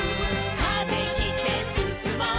「風切ってすすもう」